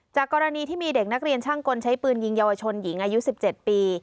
กรณีที่มีเด็กนักเรียนช่างกลใช้ปืนยิงเยาวชนหญิงอายุ๑๗ปี